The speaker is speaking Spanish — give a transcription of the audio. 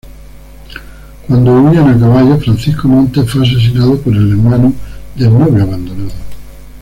Cuando huían a caballo, Francisco Montes fue asesinado por el hermano del novio abandonado.